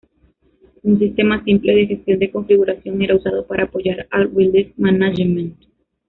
Un sistema simple de gestión de configuración era usado para apoyar al release management.